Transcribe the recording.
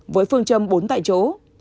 với phương châm bốn tại chỗ